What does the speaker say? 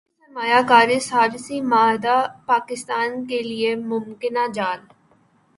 عالمی سرمایہ کاری ثالثی معاہدہ پاکستان کیلئے ممکنہ جال